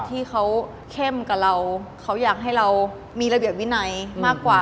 ที่เขาเข้มกับเราเขาอยากให้เรามีระเบียบวินัยมากกว่า